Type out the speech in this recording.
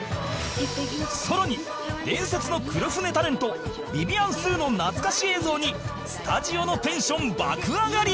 更に伝説の黒船タレントビビアン・スーの懐かし映像にスタジオのテンション爆上がり！